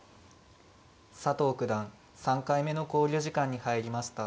佐藤九段３回目の考慮時間に入りました。